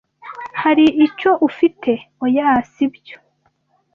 "Hari icyo ufite?" "Oya, si byo."